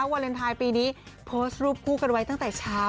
วาเลนไทยปีนี้โพสต์รูปคู่กันไว้ตั้งแต่เช้า